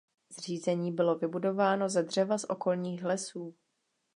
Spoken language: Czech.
Zařízení bylo vybudováno ze dřeva z okolních lesů.